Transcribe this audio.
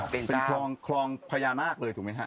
เป็นคลองคลองพญานาคเลยถูกไหมฮะ